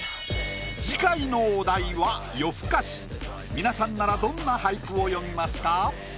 皆さんならどんな俳句を詠みますか？